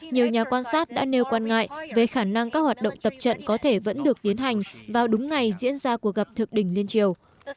nhiều nhà quan sát đã nêu quan ngại về khả năng các hoạt động tập trận có thể vẫn được tiến hành vào đúng ngày diễn ra cuộc gặp thượng đỉnh liên triều